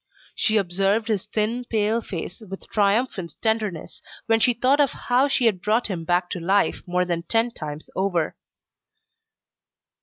She observed his thin, pale face with triumphant tenderness when she thought of how she had brought him back to life more than ten times over.